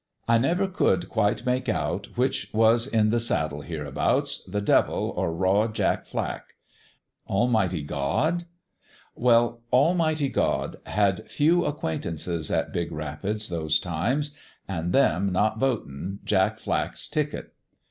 I never could quite make out which was in the saddle hereabouts, the devil or Raw Jack Flack. Almighty God? well, Al mighty God had few acquaintances at Big Rap ids those times, an' them not votin' Jack Flack's ticket.